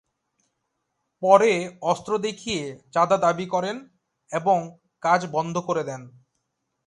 পরে অস্ত্র দেখিয়ে চাঁদা দাবি করেন এবং কাজ বন্ধ করে দেন।